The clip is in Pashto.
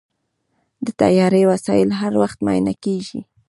د طیارې وسایل هر وخت معاینه کېږي.